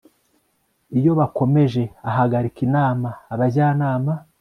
iyo bakomeje ahagarika inama abajyanama